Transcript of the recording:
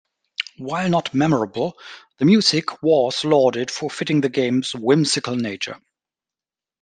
While not memorable, the music was lauded for fitting the game's whimsical nature.